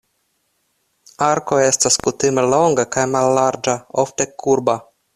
Arko estas kutime longa kaj mallarĝa, ofte kurba.